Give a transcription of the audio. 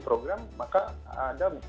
program maka ada